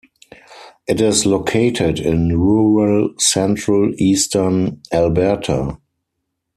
It is located in rural central eastern Alberta.